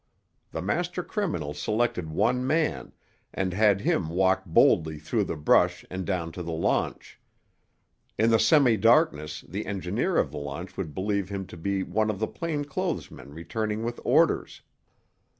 The master criminal selected one man, and had him walk boldly through the brush and down to the launch. In the semidarkness the engineer of the launch would believe him to be one of the plain clothes men returning with orders.